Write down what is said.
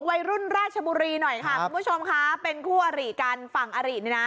วัยรุ่นราชบุรีหน่อยค่ะคุณผู้ชมค่ะเป็นคู่อริกันฝั่งอรินี่นะ